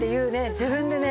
自分でね